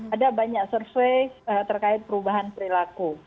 ada banyak survei terkait perubahan perilaku